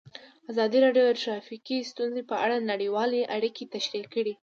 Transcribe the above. ازادي راډیو د ټرافیکي ستونزې په اړه نړیوالې اړیکې تشریح کړي.